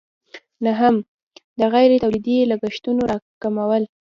نهم: د غیر تولیدي لګښتونو راکمول.